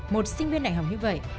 một sinh viên đại học như vậy